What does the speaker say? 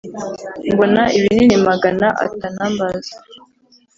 mbona ibinini magana atanumbers